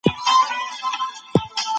دولت باید د خلګو لپاره کاري فرصتونه جوړ کړي.